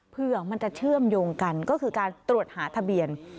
เพื่อมันจะเชื่อมโยงกันก็คือการตรวจหาทะเบียน